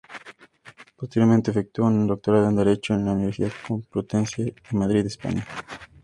Posteriormente efectuó un Doctorado en Derecho, en la Universidad Complutense de Madrid, España.